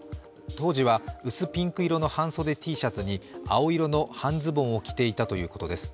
当時は薄ピンク色の半袖Ｔシャツに青色の半ズボンを着ていたということです。